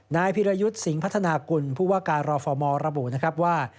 นายพิรยุทธ์สิงห์พัฒนากุลผู้ว่าการรฟมระบุนะครับว่า